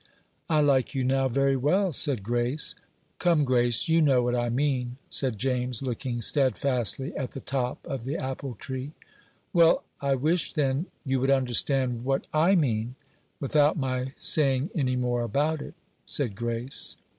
"I like you now very well," said Grace. "Come, Grace, you know what I mean," said James, looking steadfastly at the top of the apple tree. "Well, I wish, then, you would understand what I mean, without my saying any more about it," said Grace.